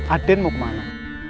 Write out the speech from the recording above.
ah den mau kemana